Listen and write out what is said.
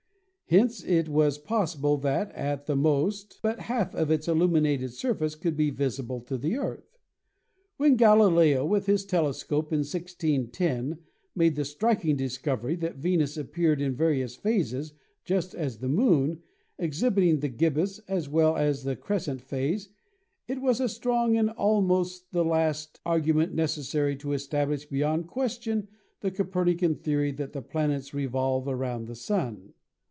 Hence it was possible that, at the most, but half of its illuminated surface could be visible to the Earth. When Galileo, with his telescope, in 1610, made the striking discovery that Venus appeared in various phases just as the Moon, exhibiting the gibbous as well as the crescent phase, it was a strong and almost the last argument neces sary to establish beyond question the Copernican theory that the planets revolve around the Sun.